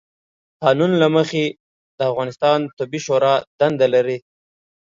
قانون له مخې، د افغانستان طبي شورا دنده لري،